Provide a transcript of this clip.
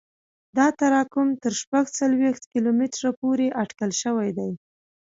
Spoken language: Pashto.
دا تراکم تر شپږ څلوېښت کیلومتره پورې اټکل شوی دی